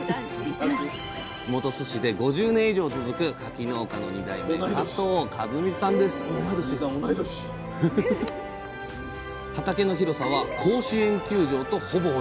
本巣市で５０年以上続く柿農家の２代目畑の広さは甲子園球場とほぼ同じ。